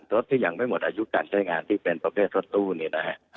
รถที่ยังไม่หมดอายุการใช้งานที่เป็นประเภทรถตู้เนี่ยนะฮะ